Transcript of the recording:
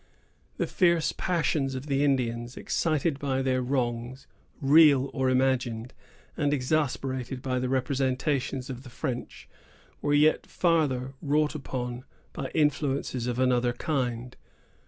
The fierce passions of the Indians, excited by their wrongs, real or imagined, and exasperated by the representations of the French, were yet farther wrought upon by influences of another kind.